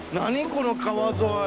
この川沿い。